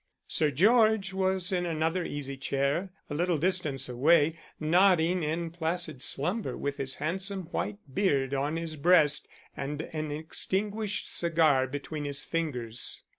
Sir George was in another easy chair a little distance away, nodding in placid slumber with his handsome white beard on his breast, and an extinguished cigar between his fingers.